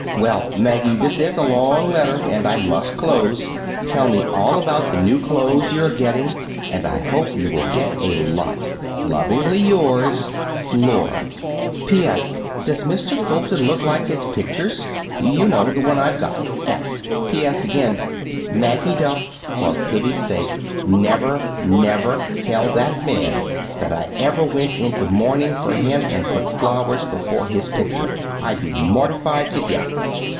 Well, Maggie, this is a long letter, and I must close. Tell me all about the new clothes you are getting, and I hope you will get a lot. Lovingly yours, FLORA. P.S. Does Mr. Fulton look like his pictures? You know I've got one. F. P.S. again. Maggie Duff, for pity's sake, never, never tell that man that I ever went into mourning for him and put flowers before his picture. I'd be mortified to death!